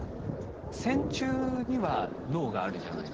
線虫には脳があるじゃないですか。